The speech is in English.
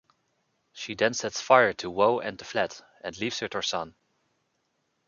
She then sets fire to Wo and the flat and leaves with her son.